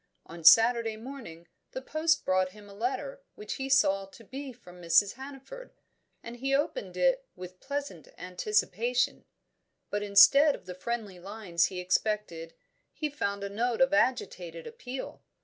On Saturday morning the post brought him a letter which he saw to be from Mrs. Hannaford, and he opened it with pleasant anticipation; but instead of the friendly lines he expected he found a note of agitated appeal.